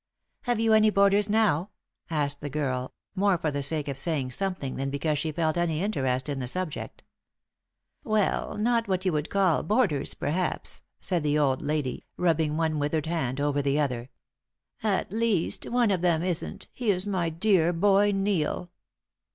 "Have you any boarders now?" asked the girl, more for the sake of saying something than because she felt any interest in the subject. "Well, not what you would call boarders, perhaps," said the old lady, rubbing one withered hand over the other. "At least, one of them isn't, he is my dear boy Neil."